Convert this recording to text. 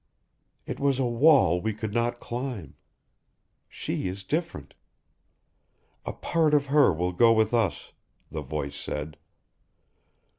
It was a wall we could not climb. She is different. "A part of her will go with us," the voice said.